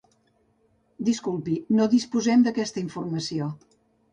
Disculpi, no disposem d'aquesta informació.